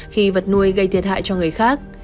khi vật nuôi gây thiệt hại cho người khác